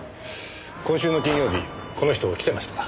今週の金曜日この人来てましたか？